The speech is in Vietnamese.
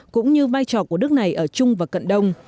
cũng như vai trò của nước này ở chung và cận đông